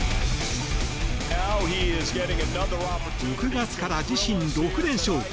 ６月から自身６連勝。